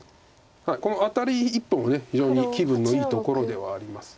このアタリ１本が非常に気分のいいところではあります。